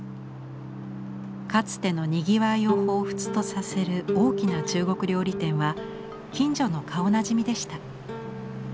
かつてのにぎわいを彷彿とさせる大きな中国料理店は近所の顔なじみでした。